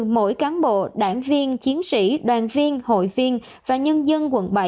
mỗi cán bộ đảng viên chiến sĩ đoàn viên hội viên và nhân dân quận bảy